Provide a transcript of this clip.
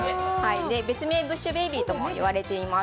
別名ブッシュベイビーとも言われています。